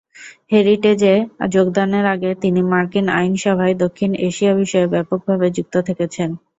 হেরিটেজে যোগদানের আগে তিনি মার্কিন আইনসভায় দক্ষিণ এশিয়া বিষয়ে ব্যাপকভাবে যুক্ত থেকেছেন।